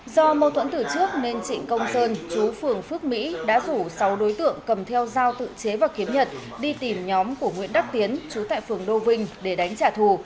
do mâu thuẫn từ trước nên trịnh công sơn chú phường phước mỹ đã rủ sáu đối tượng cầm theo dao tự chế và kiếm nhật đi tìm nhóm của nguyễn đắc tiến chú tại phường đô vinh để đánh trả thù